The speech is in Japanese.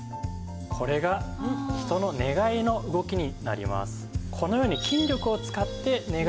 これが人の寝返りの動きになります。